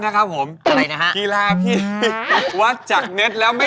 สามารถรับชมได้ทุกวัย